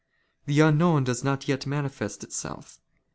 The unknown does '' not yet manifest itself.